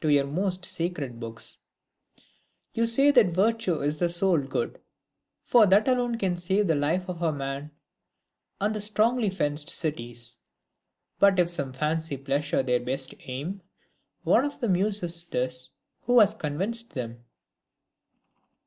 To your most sacred books ; you say that virtue Is the sole good ; for that alone can save The life of man, and strongly fenced cities. But if some fancy pleasure their best aim, One of the Muses 'tis who has convinc'd them.